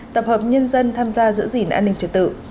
tập hợp nhân dân tham gia giữ gìn an ninh trật tự